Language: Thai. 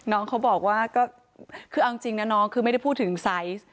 น้องเขาบอกว่าก็คือเอาจริงนะน้องคือไม่ได้พูดถึงไซส์